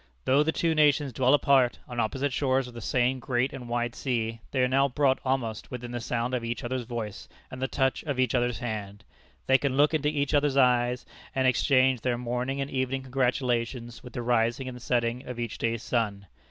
Though the two nations dwell apart, on opposite shores of the same great and wide sea, they are now brought almost within the sound of each other's voice and the touch of each other's hand: they can look into each other's eyes, and exchange their morning and evening congratulations with the rising and setting of each day's sun.